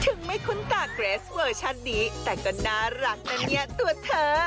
ถึงไม่คุ้นตาเกรสเวอร์ชันนี้แต่ก็น่ารักนะเนี่ยตัวเธอ